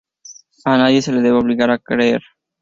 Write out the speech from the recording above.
A nadie se le debe obligar a creer.